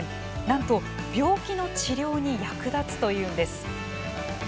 なんと病気の治療に役立つと言うんです。